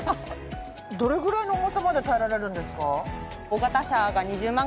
どれぐらいの重さまで耐えられるんですか？